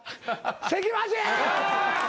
関町！